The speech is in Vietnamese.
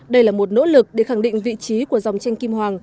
đây là một nỗ lực để khẳng định vị trí của dòng tranh kim hoàng